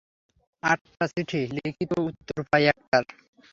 আটটা চিঠি লিখি তো উত্তর পাই একটার!